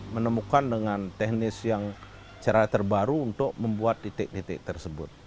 menemukan dengan teknis yang cara terbaru untuk membuat titik titik tersebut